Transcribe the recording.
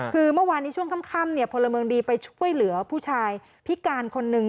คือเมื่อวานนี้ช่วงค่ำพลเมืองดีไปช่วยเหลือผู้ชายพิการคนนึง